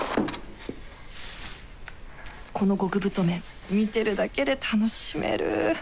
この極太麺見てるだけで楽しめる